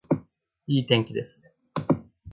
いい天気ですね